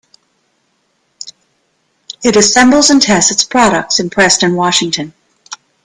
It assembles and tests its products in Preston, Washington.